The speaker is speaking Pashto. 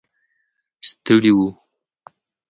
ستړي و.